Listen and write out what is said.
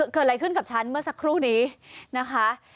เกิดอะไรขึ้นกับฉันเมื่อสักครู่นี้นะคะ